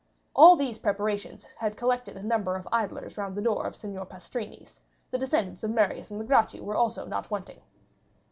All these preparations had collected a number of idlers round the door of Signor Pastrini's; the descendants of Marius and the Gracchi were also not wanting.